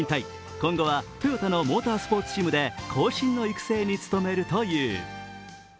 今後はトヨタのモータースポーツチームで後進の育成に努めるという。